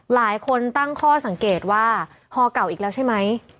หลายคนตั้งข้อสังเกตว่าฮอเก่าอีกแล้วใช่ไหม